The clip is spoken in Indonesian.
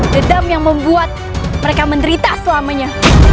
dedam yang membuat mereka menderita selamanya